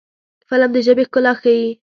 فلم د ژبې ښکلا ښيي